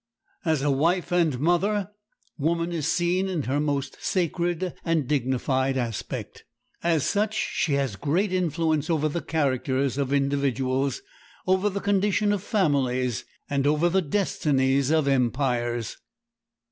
As a wife and mother, woman is seen in her most sacred and dignified aspect. As such she has great influence over the characters of individuals, over the condition of families, and over the destinies of empires.